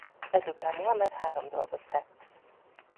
Ezután Mohamed három dolgot tett.